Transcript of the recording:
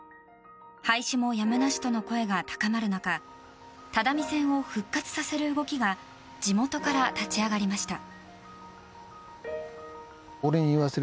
廃止もやむなしとの声が高まる中只見線を復活させる動きが地元から立ち上がりました。